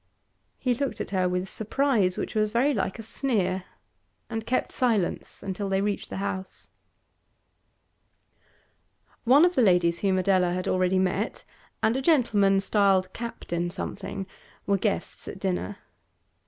He looked at her with surprise which was very like a sneer, and kept silence till they reached the house. One of the ladies whom Adela had already met, and a gentleman styled Captain something, were guests at dinner.